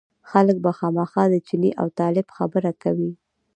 خلک به خامخا د چیني او طالب خبره کوي.